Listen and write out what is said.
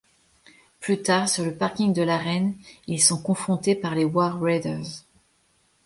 Plus tard sur le parking de l'arène, ils sont confrontés par les War Raiders.